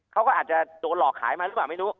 เขาก็อาจจะโดนหลอกขายมาหรือเปล่าไม่รู้